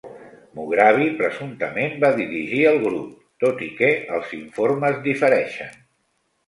Mughrabi presumptament va dirigir el grup, tot i que els informes difereixen.